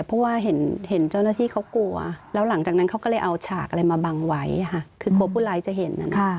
เพราะว่าเห็นเจ้าหน้าที่เขากลัวแล้วหลังจากนั้นเขาก็เลยเอาฉากอะไรมาบังไว้ค่ะคือกลัวผู้ร้ายจะเห็น